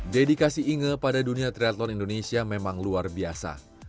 dedikasi inge pada dunia triathlon indonesia memang luar biasa